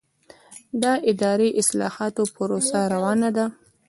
د اداري اصلاحاتو پروسه روانه ده؟